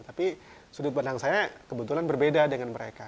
tapi sudut benang saya kebetulan berbeda dengan mereka